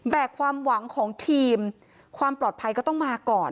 แต่ความหวังของทีมความปลอดภัยก็ต้องมาก่อน